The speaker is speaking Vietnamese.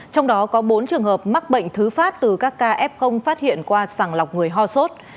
trong đó có bốn trường hợp mắc bệnh thứ phát từ các ca f phát hiện qua sàng lọc người ho sốt